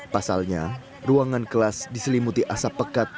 pasalnya ruangan kelas diselimuti asap pekat